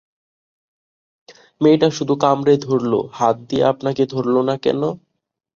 মেয়েটি শুধু কামড়ে ধরল-হাত দিয়ে আপনাকে ধরল না কেন?